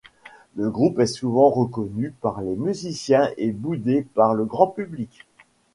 Le groupe est souvent reconnu par les musiciens et boudé par le grand public.